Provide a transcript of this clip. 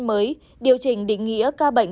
mới điều chỉnh định nghĩa ca bệnh